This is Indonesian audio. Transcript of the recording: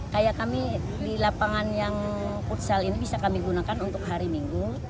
kayak kami di lapangan yang futsal ini bisa kami gunakan untuk hari minggu